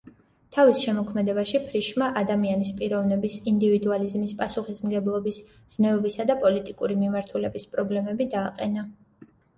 თავის შემოქმედებაში ფრიშმა ადამიანის პიროვნების, ინდივიდუალიზმის, პასუხისმგებლობის, ზნეობისა და პოლიტიკური მიმართულების პრობლემები დააყენა.